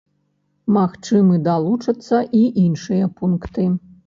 Магчыма, далучацца і іншыя пункты.